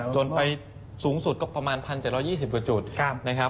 จนไปสูงสุดก็ประมาณ๑๗๒๐กว่าจุดนะครับ